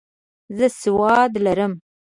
زه سواد لرم.